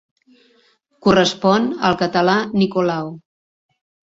Correspon al català Nicolau.